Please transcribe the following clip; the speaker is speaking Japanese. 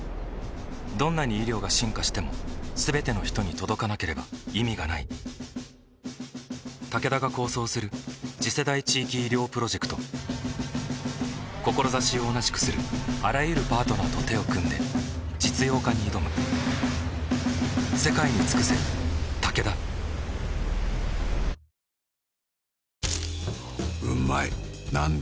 どんなに医療が進化しても全ての人に届かなければ意味がないタケダが構想する次世代地域医療プロジェクト志を同じくするあらゆるパートナーと手を組んで実用化に挑むアロマのエッセンス？